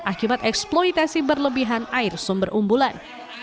akibat eksploitasi berlebihan air sumber umbulan